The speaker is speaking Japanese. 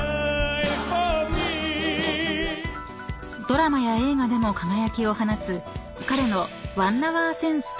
［ドラマや映画でも輝きを放つ彼の］